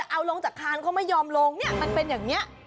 เอาลงจากคานเขาไม่ยอมลงเนี่ยมันเป็นอย่างนี้